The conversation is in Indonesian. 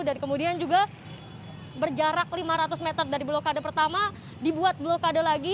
dan kemudian juga berjarak lima ratus meter dari blokade pertama dibuat blokade lagi